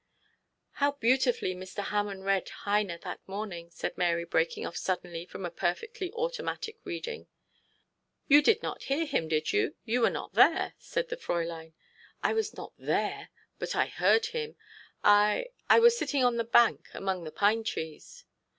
'How beautifully Mr. Hammond read Heine that morning!' said Mary, breaking off suddenly from a perfectly automatic reading. 'You did not hear him, did you? You were not there,' said the Fräulein. 'I was not there, but I heard him. I I was sitting on the bank among the pine trees.'